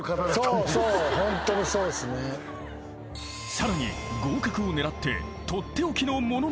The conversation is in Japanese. ［さらに合格を狙って］